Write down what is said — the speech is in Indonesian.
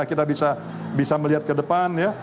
kita bisa melihat ke depan ya